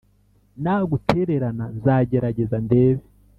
nagutererana nzagerageza ndebe